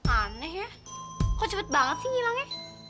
aneh ya kok cepet banget sih ngilangnya